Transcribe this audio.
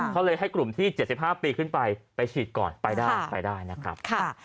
เขาเลยให้กลุ่มที่๗๕ปีขึ้นไปไปฉีดก่อนไปได้ไปได้นะครับ